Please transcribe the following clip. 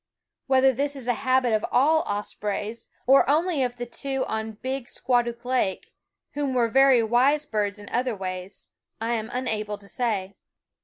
Whether this is a habit of all ospreys, or only of the two on Big Squatuk Lake who were very wise birds in other ways I am unable to say.